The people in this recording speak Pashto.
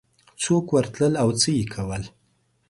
څوک ورتلل او څه یې کول